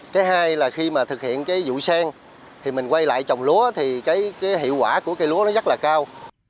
thứ hai là khi thực hiện vụ sen thì mình quay lại trồng lúa thì hiệu quả của cây lúa rất là cao